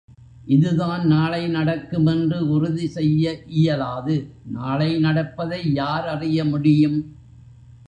இதுதான் நாளை நடக்கும் என்று உறுதி செய்ய இயலாது நாளை நடப்பதை யார் அறிய முடியும்?